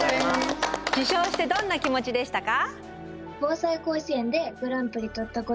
受賞してどんな気持ちでしたか？